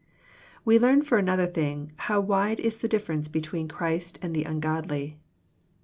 We learn for another thing, hew vyide is the differenc$ between Christ and the ungodly.